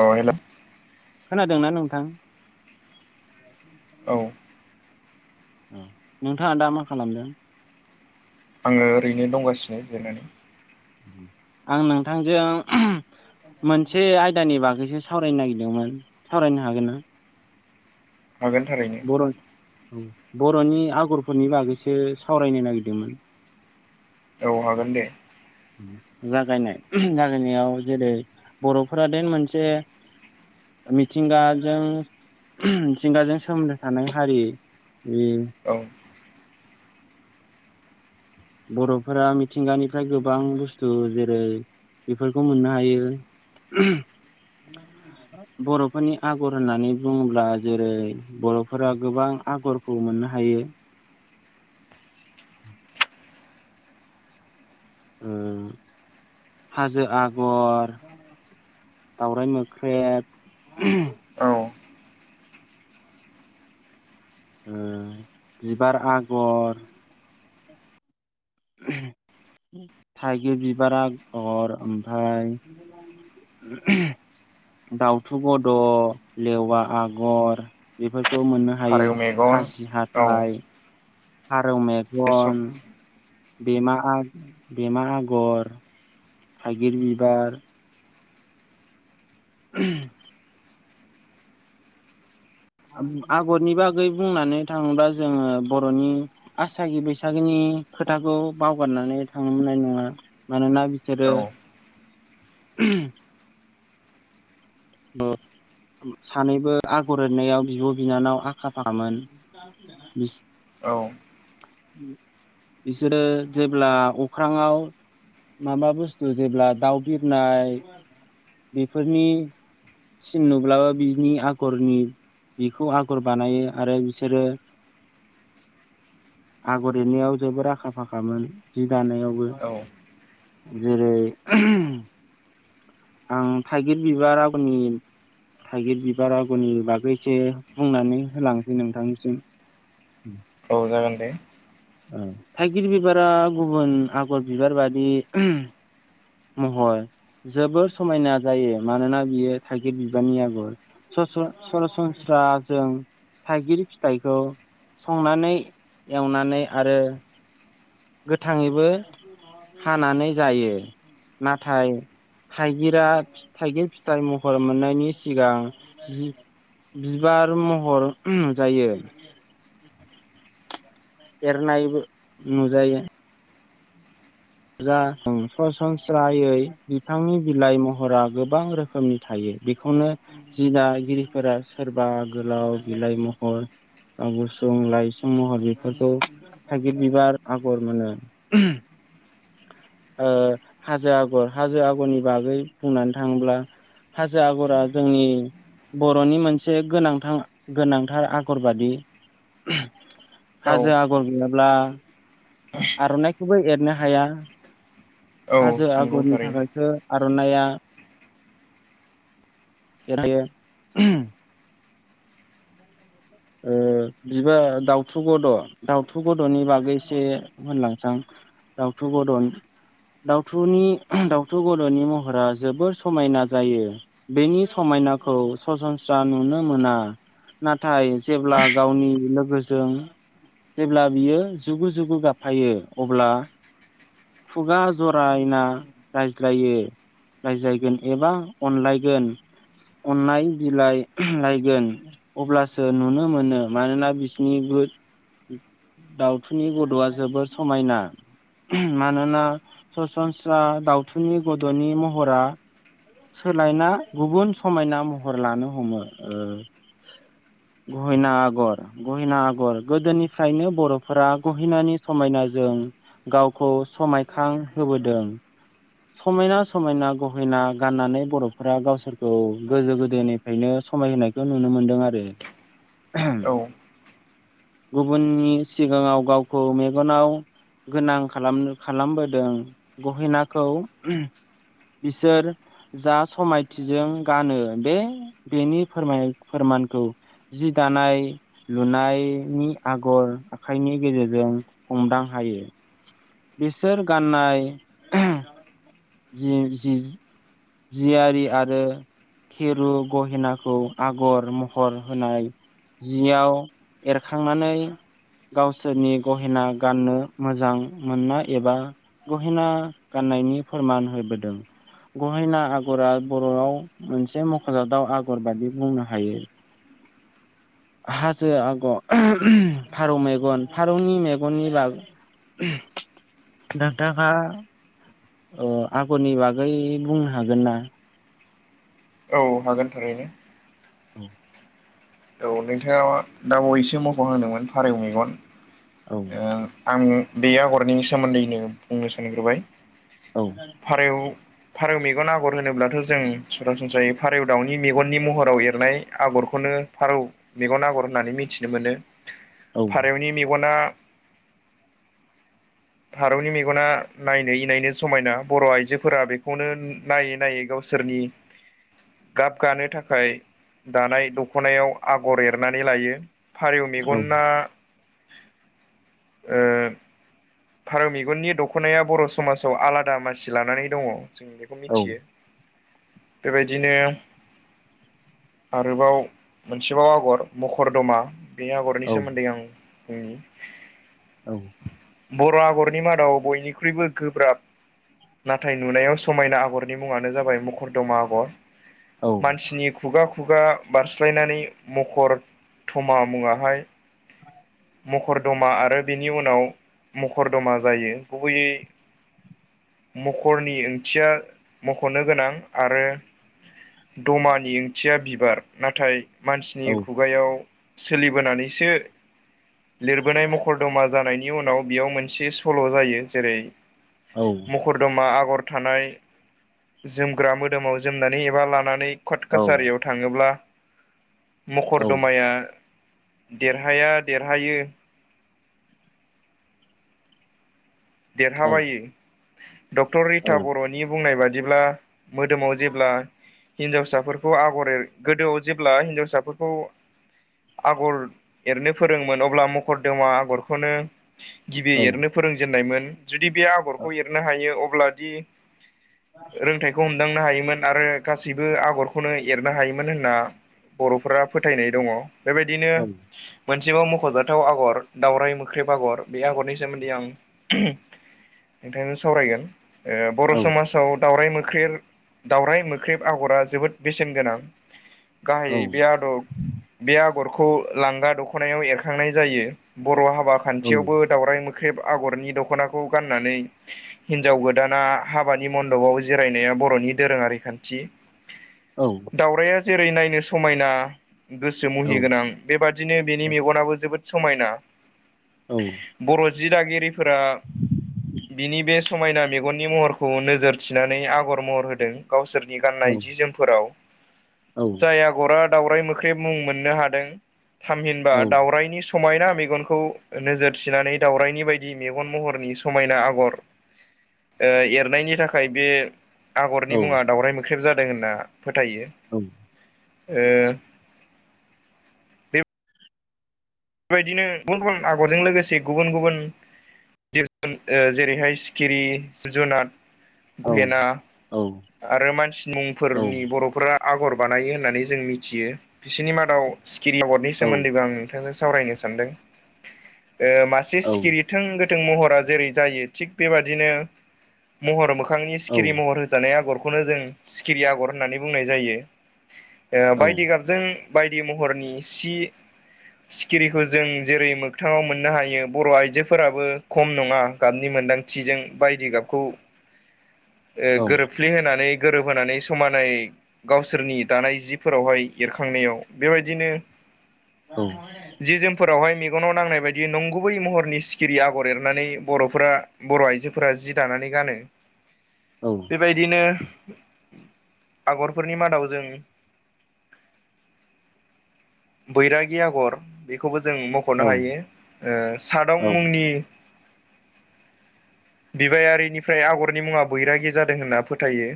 अ हेल' खोनादोंना नोंथां। औ नोंथाङा दा मा खालामदों आङो ओरैनो दंगासिनो जिरायनानै आं नोंथांजों मोनसे आयदानि बागैसो सावरायनो नागिरदोंमोन सावरायनो हागोन ना हागोन थारै बर' औ बर'नि आगरफोरनि बागैसो सावरायनो नागिरदोंमोन औ हागोन दे जागायनाय जागायनायाव जेरै बर'फोरा देन मोनसे मिथिंगाजों मिथिंगाजों सोमोन्दो थानाय हारियै यै औ बर'फोरा मिथिंगानिफ्राय गोबां बुस्थु जेरै बेफोरखौ मोननो हायो बर'फोरनि आगर होननानै बुङोब्ला जेरै बर'फोरा गोबां आगरखौ मोननो हायो उ [inaudible] ओ हाजो आगर दावराइ मोख्रेब औ ओ‌ बिबार आगर थाइगिर बिबार आगर ओमफ्राय दाउथु बद' लेवा आगर बेफोरखौ मोननो हायो फारौ मेगन खासि औ हाथाय फारौ बेसर मेगन बेमा आ बेमा आगर थागिर बिबार उ [unintelligible] आगरनि बागै बुंनानै थाङोबा जोङो बर'नि आसागि बैसागिनि खोथाखौ बावगारनानै थांनो मोननाय नङा मानोना बिेरो औ [inaudible] औ सानैबो आगर एरनायाव बिब' बिनानाव आखा फाखामोन बि औ बिसोरो जेब्ला अख्रांआव माबा बुस्थु जेब्ला दाउ बिरनाय बेफोरनि सिम नुब्लाबो बिनि आगरनि बेखौ आगर बानायो आरो बिसोरो आगर एरनायाव जोबोर आखा फाखामोन जि दानायाव औ जेरै उम आं थाइगिर बिबार आगरनि थाइगिर बिबार आग'रनि बागैसो बुंनानै होलांसै नोंथांनिसिम। उम औ जागोन दे ओ थाइगिर बिबारा गुबुन आगर बिबार बादि महर जोबोर समायना जायो मानोना बियो थाइगिर बिबारनि आगर। सरन सरासनस्राजों थाइगिर फिथाइखौ संनानै एवनानै आरो गोथाङैबो हानानै जायो नाथाय थाइगिरा थाइगिर फिथाइ महर मोननायनि सिगां जिब बिबार महर जायो एरनायबो नुजायो जा उम सरासनस्रायै बिफांनि बिलाइ महरा गोबां रोखोमनि थायो। बेखौनो जि दागिरिफोरा सोरबा गोलाव बिलाइ महर गुसुं लाइसुं महर बेफोरखौ थागिर बिबार आगर मोनो। ओ हाजो आगर हाजो आगरनि बागै बुंनानै थाङोब्ला हाजो आगरा जोंनि बर'नि मोनसे गोनांथ गोनांथार आगरबादि। औ हाजो आगर गैयाब्ला आर'नाइखौबो एरनो हाया औ हाजो नंगौ आगरनि थारैनो थाखायसो आर'नाइया [unintelligible] ो ओ बिबार दाउथु गद' दाउथु गद'नि बागैसे होनलांसां दाउथु गदन दउथु दाउथु गद'नि महरा जोबोर समायना जायो। बेनि समायनाखौ सरासनस्रा नुनो मोना नाथाय जेब्ला गावनि लोगोजों जेब्ला बियो जुगु जुगु गाबफायो अब्ला खुगा जरायना रायज्लायो रायजायगोन एबा अनलायगोन अनलनाय बिलायलायगोन अब्लासो नुनो मोनो मानोना बिसिनि गोद दाउथुनि गद'आ जोबोर समायना। मानोना सरासनस्रा दावथुननि गद'नि महरा सोलायना गुबुन समायना महर लानो हमो ओ गहेना आगर गहिना आगर गोदोनिफ्रायनो बर'फोरा गहिनानि समायनाजों गाव खौ समायखां होबोदों। समायना समायना गहेना गाननानै बर'फोरा गावसोरखौ गोदो गोदायनि फायनो समायहोनायखौ नुनो मोन्दों आरो। औ गुबुननि सिगाङाव गावखौ मेगनाव गोनां खालामनो खालामबोदों गहिनाखौ बिसोर जा समायथिजों गानो बे बेनि फोरम फोरमानखौ जि दानाय लुनायनि आगर आखाइनि गेजेरजों हमदां हायो। बिसोर गाननाय जि जि जियारि आरो खेरु गहेनाखौ आगर महर होनाय जियाव एरखांनानै गावसोरनि गहेना गाननो मोजां मोनना एबा गहेना गाननायनि फोरमान होबोदों। गहिना आगरा बर'आव मोनसे मख'जाथाव आगर बादि बुंनो हायो। हाजो आगर फारौ मेगन फारौनि मेगननि बाग डक्टारखा अ आगरनि बागै बुंनो हागोन ना? औ हागोन थारैनो। औ। औ नोंथाङा दा बावैसे मख' होनदोंमोन फारौ मेगन औ ओ आं बे आगरनि सोमोन्दैनो बुंनो सानग्रोबाय औ फारेव फारौ मेगन आगर होनोब्लाथ' जों सरासनस्रायै फारौ दाउनि मेगननि महराव एरनाय आगरखौनो फारौ मेगन आगर होननानै मिथिनो मोनो औ फारौनि मेगना भारतनि मेगना नायनो इनायनो समायना बर' आइजोफोरा बेखौनो नायै नायै गावसोरनि गाबगानो थाखाय दानाय दख'नायाव आगर एरनानै लायो फारौ औ मेगना ओ फारौ मेगननि दख'नाया बर' समाजाव आलादा मासि लानानै दङ जों बेखौ औ मिथियो। बेबायदिनो आरोबाव मोनसेबाव आगर मखरदमा बे आगरनि औ सोमोन्दै आं बुंनि। औ। बर' आगरनि मादाव बयनिख्रुइबो गोब्राब। नाथाय नुनायाव समायना आगरनि मुङानो जाबाय मखरदमा आगर। औ। मानसिनि खुगा खुगा बारस्लायनानै मखर थमा मुङावहाय मखरदमा आरो बेनि उनाव मखरदमा जायो गुबैयै मखरनि ओंथिया मख'नो गोनां आरो दमानि ओंथिया बिबार। नाथाय औ मानसिनि खुगायाव सोलिबोनानैसो लिरबोनाय मखर दमा जानायनि उनाव बेयाव मोनसे सल' जायो। जेरै औ। मखरदमा आगर थानाय जोमग्रा मोदोमाव जोमनानै एबा लानानै कट कासारियाव थाङोब्ला औ मखरदमाया देरहाया देरहायो देरहाबायो डक्टर औ रिता बर'नि बुंनाय बादिब्ला मोदोमाव जेब्ला हिनजावसाफोरखौ आगर एर गोदोआव जेब्ला हिनजावसाफोरखौ आगर एरनो फोरोङोमोन अब्ला मखरदमा आगरखौनो गिबि एरनो फोरोंजेननायमोन। जुदि बे आगरखौ एरनो हायो अब्लादि रोंथाइखौ हमदांनो हायोमोन आरो गासैबो आगरखौनो एरनो हायोमोन होनना बर'फोरा फोथायनाय दङ। बेबायदिनो मोनसेबो मख'जाथाव आगर दावराय मोख्रेब आगर बे आगरनि सोमोन्दै आं नोंथांनो सावरायगोन बर' समाजाव दाउराय मोख्रेब दाउराय मोख्रेब आगरा जोबोद बेसेन गोनां औ गाहायै बे आदब बे आ गरखौ लांगा दख'नायाव एरखांनाय जायो बर' हाबा औ खान्थियावबो दाउराय मोख्रेब आगरनि दख'नाखौ गाननानै हिनजाव गोदाना हाबानि मन्दपाव जिरायनाया बर'नि दोरोङारि खान्थि औ। दाउराया जेरै नायनो समायना। गोसो औ मुहिगोनां बेबादिनो बेनि मेगनाबो जोबोद समायना। औ। बर' जि दागिरिफोरा बिनि बे समायना मेगननि महरखौ नोजोर थिनानै आगर महर होदों। गावसोरनि गाननाय जि जोमफोराव औ जाय आगरा दावराय मोख्रैब मुं मोननो हादों थामहिनबा औ दावरायनि समायना मेगनखौ नोजोर थिनानै दावरायनि बायदि मेगन महर नि समायना आगर एरनायनि थाखाय बे आगरनि मुङा दाउराय मोख्रेब जादों होनना फोथायो। औ बे बेबायदिनो गुबुन गुबुन आगरजों लोगोसे गुबुन गुबुन जिब जुन ओ जेरैहाय सिखिरि जिब जुनार औ गहेना आरो मानसिनि मुंफोरनि बर'फोरा आगर बानायो होननानै जों मिथियो बिसोरनि मादाव सिखिरि आगरनि सोमोन्दैबो आं नोंथांनो सावरायनो सानदों ओ मासे सिखिरि गोथों गोथों महरा जेरै जायो थिग बेबादिनो महर मोखांनि सिखिरि महर हो जानाय आगरखौनो जों सिखिरि आग'र होननानै बुंनाय जायो ओ बायदि गाब जों बायदि महरनि सि सिखिरिखौ जों जेरै मोगथाङाव मोननो हायो बर' आइजोफोराबो खम नङा गाबनि मोनदां थिजों बायदि गाबखौ गोरोबफ्ले होनानै गोरोबहोनानै समानै गावसोरनि दानाय जिफोरावहाय एरखांनायाव बेबायदिनो औ जि जोमफोरावहाय मेगनाव नांनाय बायदि नंगुबै महरनि सिखिरि आगर एरनानै बर'फोरा बर' आइजोफोरा जि दानानै गानो। बेबायदिनो आगरफोरनि मादाव जों बैरागि आगर बेखौबो जों मख'नो हायो ओ सादं मुंनि बिबायारिनिफ्राय आगरनि मुङा बैरागि जादों होनना फोथायो।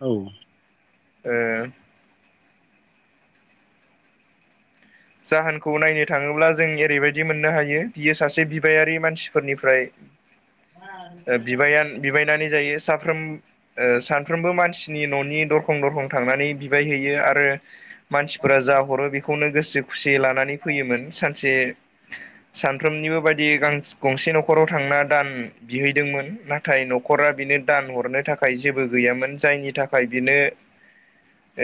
औ ओ जाहोनखौ नायनो थाङोब्ला जों एरैबायदि मोननो हायो बियो सासे बिबायारि मानसिफोरनिफ्राय ओ बिबाय बिबायनानै जायो साफ्रोम ओ सानफ्रोमबो मानसिनि न'नि दरखं दरखं थांनानै बिबायहैयो आरो मानसिफोरा जा हरो बेखौनो गोसो खुसियै लानानै फैयोमोन सानसे सानफ्रोमनिबो बायदि गां गंसे न'खराव थांना दान बिहैदोंमोन नाथाय न'खरा बिनो दान हरनो थाखाय जेबो गैयामोन जायनि थाखाय बिनो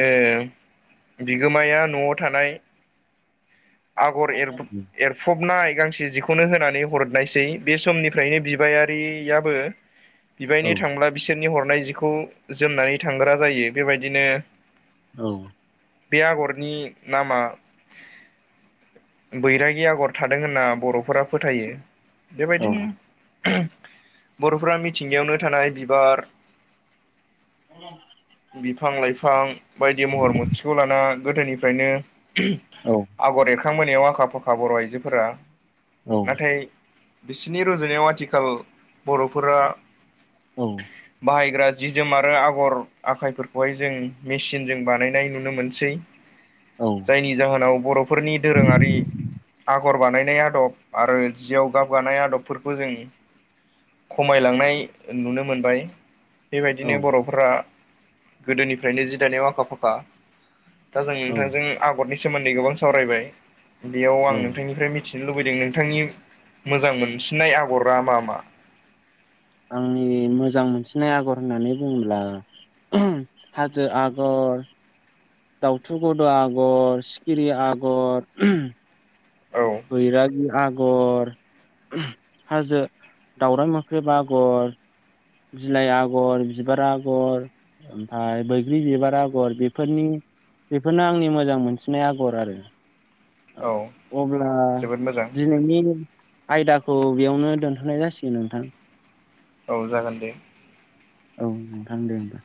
ओ बिगोमाया न'आव थानाय आगर एर फबनाय गांसे जिखौनो होनानै हरनायसै बे समनिफ्रायनो बिबायारियाबो बिबायनो थांब्ला बिसोरनि हरनाय जिखौ जोमनानै थांग्रा जायो बेबायदिनो औ बे आगरनि नामा बैरागि आगर थादों होनना बर'फोरा फोथायो। बेबायदिनो बर'फोरा मिथिंगायावनो थानाय बिबार औ बिफां-लाइफां बायदि महर मुस्रिखौ लाना गोदोनिफ्रायनो औ आगर एरखांबोनायाव आखा फाखा बर' आइजोफोरा नाथाय बिसोरनि रुजुनायाव आथिखाल बर'फोरा औ बाहायग्रा जि जोम आरो आगर आखाइफोरखौहाय जों मेसिनजों बानायनाय नुनो मोनसै जायनि जाहोनाव बर'फोरनि दोरोङारि आगर बानायनाय आदब आरो जियाव गाब गानाय आदबफोरखौ जों खमायलांनाय नुनो मोनबाय। औ बेबायदिनो बर'फोरा गोदोनिफ्रायनो जि दानायाव आखा फाखा। दा जों नोंथांजों आगरनि सोमोन्दै गोबां सावरायबाय बेयाव आं नोंथांनिफ्राय मिथि नो लुबैदों नोंथांनि मोजां मोनसिननाय आगरा मा मा? आंनि मोजां मोनसिननाय आगर होननानै बुङोब्ला हाजो आगर दाउथु गद' आगर सिखिरि आगर औ [unintelligible] गर हाजो दाावराइ मोख्रेब आगर बिलाइ आगर बिबार आगर ओमफफ्राय बैग्रि बिबार आगर बेफोरनिछ बेफोरनो आंनि मोजां मोनसिननाय आगर आरो औ अब्ला जोबोद मोजां दिनैनि आयदाखौ बेयावनो दोनथ'नाय जासिगोन नोंथां औ जागोन दे औ नोंथां दे होमबा